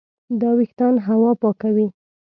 دا وېښتان هوا پاکوي.